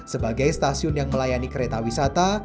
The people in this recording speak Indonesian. sebagai stasiun yang melayani kereta wisata